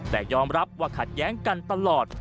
แต่ยอมรับว่าขัดแย้งกันตลอด